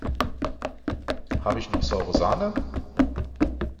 Habe ich noch saure Sahne?